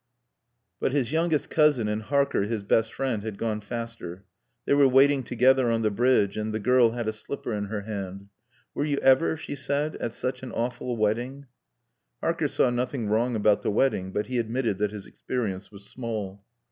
But his youngest cousin and Harker, his best friend, had gone faster. They were waiting together on the bridge, and the girl had a slipper in her hand. "Were you ever," she said, "at such an awful wedding?" Harker saw nothing wrong about the wedding but he admitted that his experience was small.